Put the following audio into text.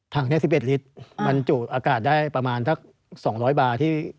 ถังนี้๑๑ลิตรบรรจุอากาศได้ประมาณสัก๒๐๐บาร์ที่